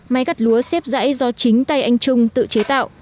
máy gặt lúa xếp dãy do chính tay anh trung tự chế tạo